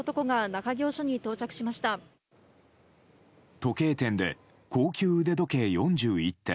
時計店で高級腕時計４１点